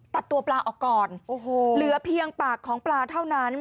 ตัดตัวปลาออกก่อนโอ้โหเหลือเพียงปากของปลาเท่านั้น